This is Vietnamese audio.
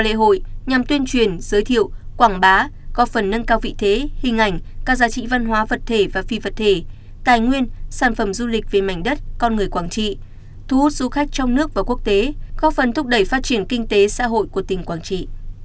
lễ hội nhằm tuyên truyền giới thiệu quảng bá có phần nâng cao vị thế hình ảnh các giá trị văn hóa vật thể và phi vật thể tài nguyên sản phẩm du lịch về mảnh đất con người quảng trị thu hút du khách trong nước và quốc tế góp phần thúc đẩy phát triển kinh tế xã hội của tỉnh quảng trị